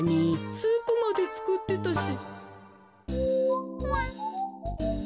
スープまでつくってたし。